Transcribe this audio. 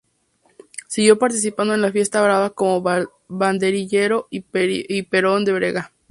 Siguió participando en la fiesta brava como banderillero y perón de brega.